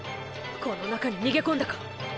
この中に逃げ込んだか！